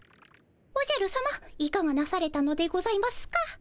おじゃるさまいかがなされたのでございますか？